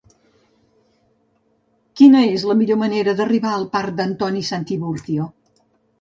Quina és la millor manera d'arribar al parc d'Antoni Santiburcio?